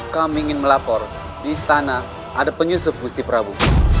kami ingin melapor di istana ada penyusup mesti prabu